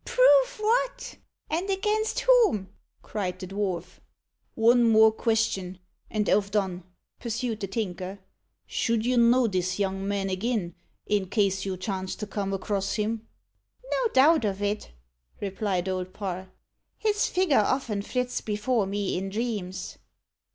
"Prove what? and against whom?" cried the dwarf. "One more questin, and I've done," pursued the Tinker. "Should you know this young man agin, in case you chanced to come across him?" "No doubt of it," replied Old Parr; "his figure often flits before me in dreams."